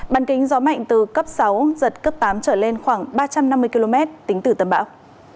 bàn kính gió mạnh từ cấp sáu giật cấp tám trở lên khoảng ba trăm năm mươi km tính từ tâm bão